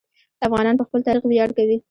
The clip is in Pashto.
افغانان په خپل تاریخ ویاړ کوي.